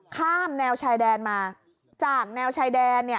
ข้ามแนวชายแดนมาจากแนวชายแดน